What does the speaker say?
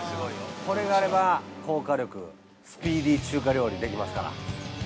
これがあれば高火力スピーディー中華料理ができますから。